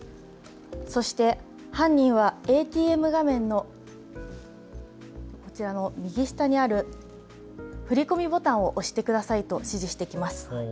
そして犯人はＡＴＭ画面の右下にある振り込みボタンを押してくださいと指示してきます。